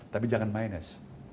tapi jangan minus